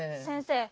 先生。